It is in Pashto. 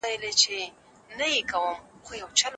موږ د خپلو ادیبانو په هر ګام ویاړو.